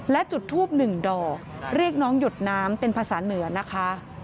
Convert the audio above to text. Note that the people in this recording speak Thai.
และจุดทูบหนึ่งดอกเรียกน้องหยดน้ำเป็นภาษาเหนือนะคะ